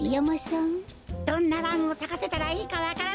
どんなランをさかせたらいいかわからない。